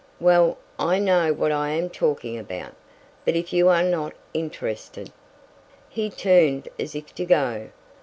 Well, I know what I am talking about. But if you are not interested " He turned as if to go.